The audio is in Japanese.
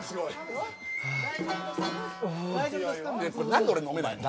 何で俺飲めないの？